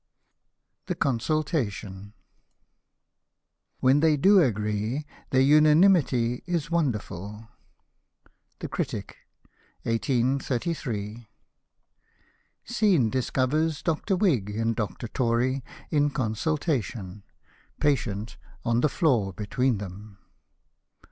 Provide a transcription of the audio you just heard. THE CONSULTATION " When they do agree, their unanimity is wonderful." The Critic. 1833 Scene discovers Dr. Whig and Dr. Tory in co?i sultation. Patient on the floor between them.